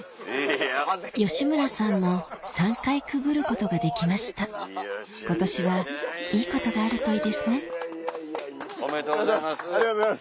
吉村さんも３回くぐることができました今年はいいことがあるといいですねおめでとうございます。